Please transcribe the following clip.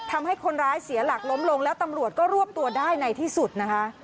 ทำให้คนร้ายเสียหลักล้มลงแล้วตำรวจก็รวบตัวได้ในที่สุดนะคะ